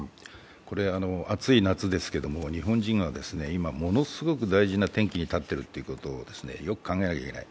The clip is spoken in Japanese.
これ、暑い夏ですけれども、日本人が今すごく大事な転機に立っているということをよく考えなければいけない。